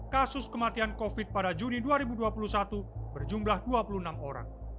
kasus kematian covid pada juni dua ribu dua puluh satu berjumlah dua puluh enam orang